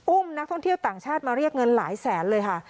นักท่องเที่ยวต่างชาติมาเรียกเงินหลายแสนเลยค่ะ